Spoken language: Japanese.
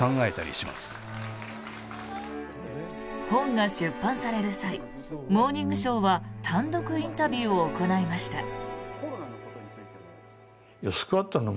本が出版される際「モーニングショー」は単独インタビューを行いました。